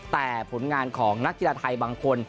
แต่ผลงานของนักกีฬาไทยบางคน